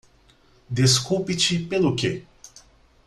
Desculpe-te pelo que?